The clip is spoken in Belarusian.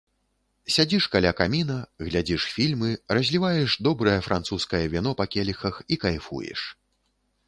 Сядзіш каля каміна, глядзіш фільмы, разліваеш добрае французскае віно па келіхах і кайфуеш.